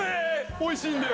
おいしいんだよ。